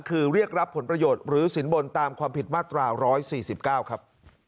คือเรียกรับผลประโยชน์หรือสินบนตามความผิดมาตรา๑๔๙ครับ